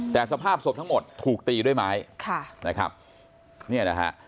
แต่สภาพศพทั้งหมดถูกตีด้วยไม้